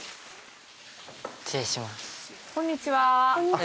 こんにちは。